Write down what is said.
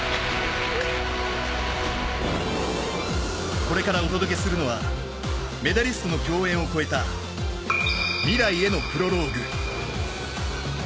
これからお届けするのはメダリストの共演を超えた未来へのプロローグ。